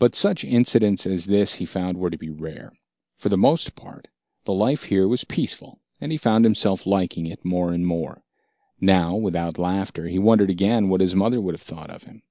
But such incidents as this, he found, were to be rare. For the most part, the life here was peaceful, and he found himself liking it more and more. Now, without laughter, he wondered again what his mother would have thought of him.